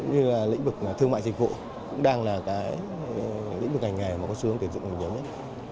như là lĩnh vực thương mại dịch vụ cũng đang là cái lĩnh vực ngành nghề mà có xu hướng tuyển dụng nhiều nhất